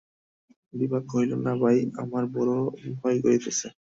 বিভা কহিল, না ভাই, আমার বড়ো ভয় করিতেছে।